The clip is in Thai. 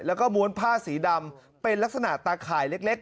แล้วก็ม้วนผ้าสีดำเป็นลักษณะตาข่ายเล็ก